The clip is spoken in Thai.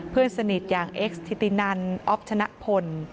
เพื่อนสนิทอย่างเอ็กซ์ทิตินันอ๊อฟชนะพล